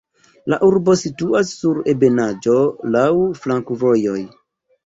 La urbo situas sur ebenaĵo, laŭ flankovojoj.